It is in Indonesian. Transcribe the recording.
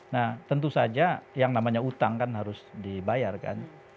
nah tentu saja yang namanya utang kan harus dibayarkan